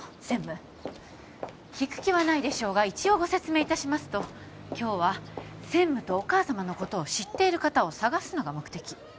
専務聞く気はないでしょうが一応ご説明いたしますと今日は専務とお母様のことを知っている方を探すのが目的